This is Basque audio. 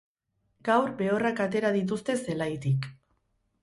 Gaur behorrak atera dituzte zelaitik.